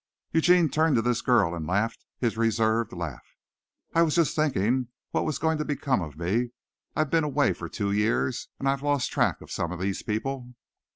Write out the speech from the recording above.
Eugene turned to this girl and laughed his reserved laugh. "I was just thinking what was going to become of me. I've been away for two years, and I've lost track of some of these people."